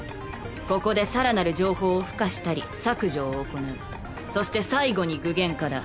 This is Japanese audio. ここでさらなる情報を付加したり削除を行うそして最後に具現化だ